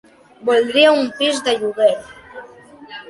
Voldria un pis de lloguer.